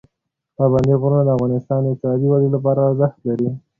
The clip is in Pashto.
پابندي غرونه د افغانستان د اقتصادي ودې لپاره ارزښت لري.